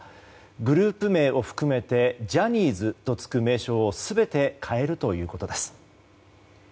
グループ名を含めて「ジャニーズ」とつく名称を全て変えるということです。